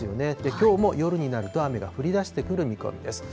きょうも夜になると雨が降りだしてくる見込みです。